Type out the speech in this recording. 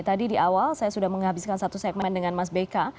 tadi di awal saya sudah menghabiskan satu segmen dengan mas beka